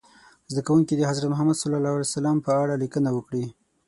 زده کوونکي دې د حضرت محمد ص په اړه لیکنه وکړي.